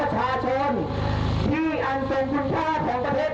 เพื่อให้ชาวพลลุยตัวตนชวนต้น